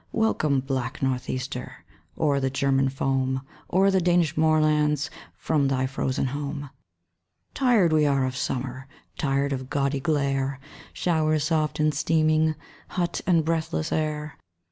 Welcome, black North easter! O'er the German foam; O'er the Danish moorlands, From thy frozen home. Tired we are of summer, Tired of gaudy glare, Showers soft and steaming, Hot and breathless air.